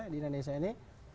di indonesia ini